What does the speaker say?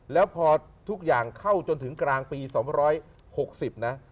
แล้วพอทุกอย่างเข้าจนถึงกลางปี๒๖๐นะ